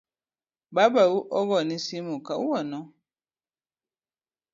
Babau ogoni simu kawuono?